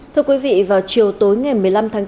thưa quý vị vào chiều tối ngày một mươi năm tháng chín